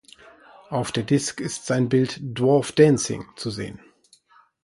Auf der Disk ist sein Bild "Dwarf Dancing" zu sehen.